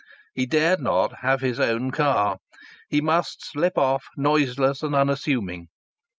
He dared not have his own car. He must slip off noiseless and unassuming.